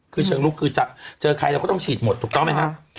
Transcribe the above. คือเชิงลุกคือจะเจอใครเราก็ต้องฉีดหมดถูกต้องไหมครับ